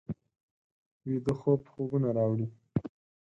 ویده خوب خوبونه راوړي